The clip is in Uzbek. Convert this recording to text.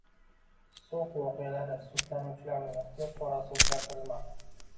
“So‘x voqealari” sudlanuvchilarning ehtiyot chorasi o‘zgartirilmadi